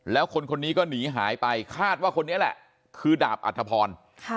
แล้วคนคนนี้ก็หนีหายไปคาดว่าคนนี้แหละคือดาบอัธพร